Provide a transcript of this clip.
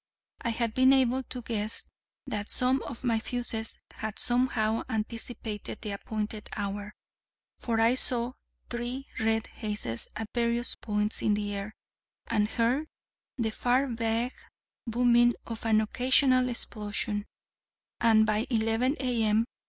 I had been able to guess that some of my fuses had somehow anticipated the appointed hour: for I saw three red hazes at various points in the air, and heard the far vague booming of an occasional explosion; and by 11 A.M.